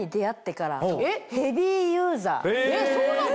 えっそうなの？